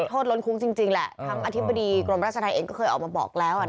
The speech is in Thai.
นักโทษล้นคุ้งจริงแหละคำอธิบดีกรมราชาไทยเองก็เคยออกมาบอกแล้ว